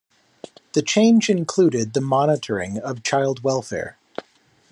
The change included the monitoring of child welfare.